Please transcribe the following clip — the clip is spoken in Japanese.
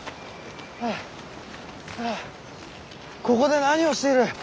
ここで何をしている。